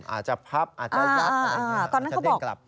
อาจจะพับอาจจะยับอาจจะเดินกลับ